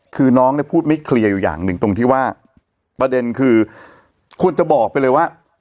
คือน้องเนี่ยพูดไม่เคลียร์อยู่อย่างหนึ่งตรงที่ว่าประเด็นคือควรจะบอกไปเลยว่า